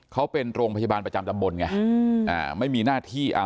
เขาเป็นโรงพยาบาลประจำตำบลไงอืมอ่าไม่มีหน้าที่อ่า